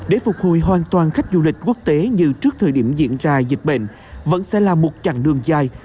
để phục hồi hoàn toàn khách du lịch quốc tế như trước thời điểm diễn ra dịch bệnh vẫn sẽ là một chặng đường dài